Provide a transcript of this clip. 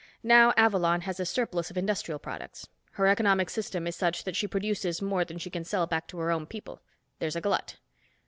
Now Avalon has a surplus of industrial products. Her economic system is such that she produces more than she can sell back to her own people. There's a glut."